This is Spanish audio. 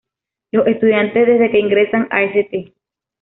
Los estudiantes, desde que ingresan a St.